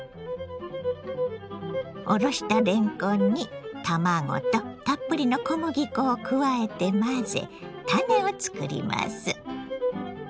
おろしたれんこんに卵とたっぷりの小麦粉を加えて混ぜたねをつくります。